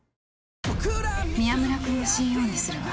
宮村君をＣＥＯにするわ。